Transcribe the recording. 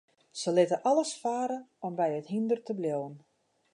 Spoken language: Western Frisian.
Se litte alles farre om by it hynder te bliuwen.